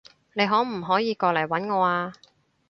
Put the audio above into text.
你可唔可以過嚟搵我啊？